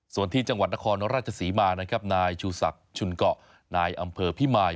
ส่วนที่จังหวัดนครราชศรีมานะครับนายชูศักดิ์ชุนเกาะนายอำเภอพิมาย